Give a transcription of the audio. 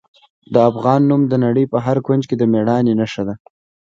د افغان نوم د نړۍ په هر کونج کې د میړانې نښه ده.